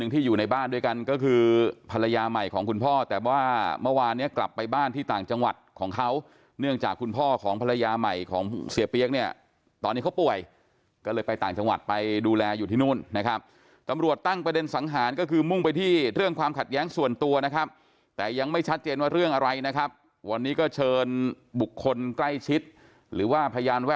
ที่อยู่ในบ้านด้วยกันก็คือภรรยาใหม่ของคุณพ่อแต่ว่าเมื่อวานเนี้ยกลับไปบ้านที่ต่างจังหวัดของเขาเนื่องจากคุณพ่อของภรรยาใหม่ของเสียเปี๊ยกเนี่ยตอนนี้เขาป่วยก็เลยไปต่างจังหวัดไปดูแลอยู่ที่นู่นนะครับตำรวจตั้งประเด็นสังหารก็คือมุ่งไปที่เรื่องความขัดแย้งส่วนตัวนะครับแต่ยังไม่ชัดเจนว่าเรื่องอะไรนะครับวันนี้ก็เชิญบุคคลใกล้ชิดหรือว่าพยานแว